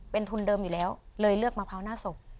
เป็นทุนเดิมอยู่แล้วเลยเลือกมะพร้าวหน้าศพ